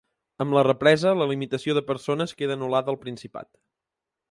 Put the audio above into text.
Amb la represa, la limitació de persones queda anul·lada al Principat.